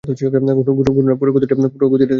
ঘূর্ণনের পুরো গতিটা এসে গেছে!